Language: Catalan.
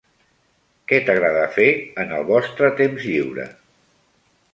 Què t'agrada fer en el vostre temps lliure?